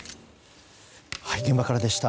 現場からでした。